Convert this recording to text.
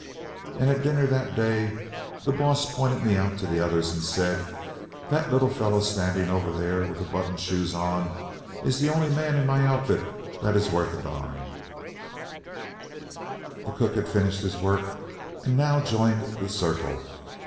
And at dinner that day, the boss pointed me out to the others and said, 'That little fellow standing over there with the button shoes on is the only man in my outfit that is worth a .'" The cook had finished his work, and now joined the circle.